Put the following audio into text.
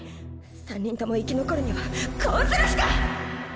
三人とも生き残るにはこうするしか！